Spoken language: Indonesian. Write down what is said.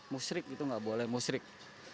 musrik itu nggak boleh musrik